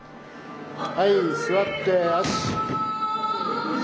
はい座って足。